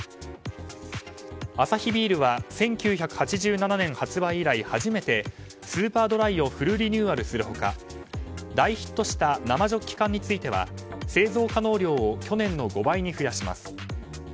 アサヒビールは１９８７年発売以来初めてスーパードライをフルリニューアルするほか大ヒットした生ジョッキ缶については製造可能量を去年の５倍に増やします。